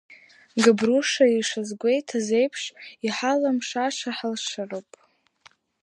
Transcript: Габрушьа ишазгәеиҭаз еиԥш, иҳалымшаша ҳалҳаршароуп.